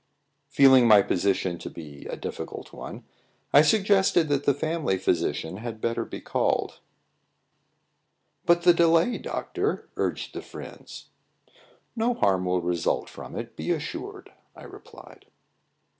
Feeling my position to be a difficult one, I suggested that the family physician had better be called. "But the delay, doctor," urged the friends. "No harm will result from it, be assured," I replied.